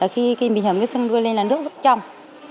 khi mình hầm cái xương đuôi lên là nước rất trong